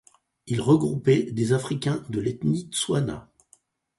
Il regroupait des Africains de l'ethnie Tswana.